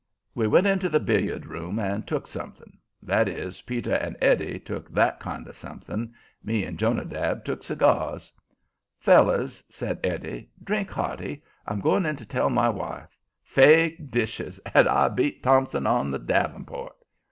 We went into the billard room and took something; that is, Peter and Eddie took that kind of something. Me and Jonadab took cigars. "Fellers," said Eddie, "drink hearty. I'm going in to tell my wife. Fake dishes! And I beat Thompson on the davenport."